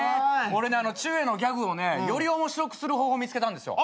俺ねちゅうえいのギャグをねより面白くする方法見つけたんですよ。